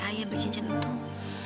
tapi ayah gak diizini sama laki ayah